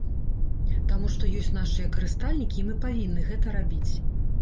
Таму што ёсць нашыя карыстальнікі і мы павінны гэта рабіць.